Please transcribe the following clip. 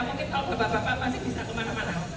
mungkin kalau ke bapak bapak masih bisa kemana mana